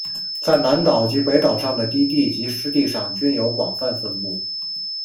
在南岛及北岛上的低地及湿地上均有广泛分布。